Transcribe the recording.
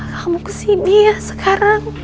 kamu kesini ya sekarang